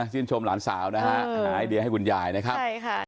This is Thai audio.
สิ้นชมหลานสาวนะฮะหาไอเดียให้คุณยายนะครับ